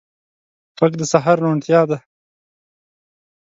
غږ د سهار روڼتیا ده